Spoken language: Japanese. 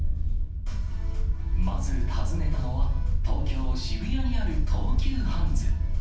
まず訪ねたのは、東京・渋谷にある東急ハンズ。